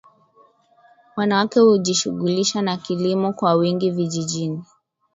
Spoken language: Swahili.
wanawake hujishughulisha na kilimo kwa wingi vijijini